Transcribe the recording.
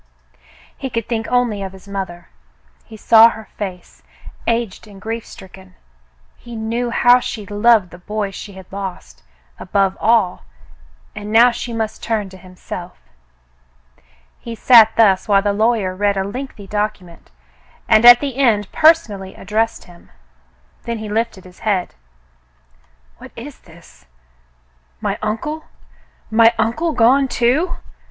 He could think only of his mother. He saw her face, aged and grief stricken. He knew how she loved the boy she had lost, above all, and now she must turn to himself. He sat thus while the lawyer read a lengthy document, and at the end personally addressed him. Then he lifted his head. "What is this? My uncle .'^ My uncle gone, too.